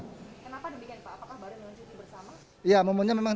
kenapa demikian pak apakah baru melanjutkan bersama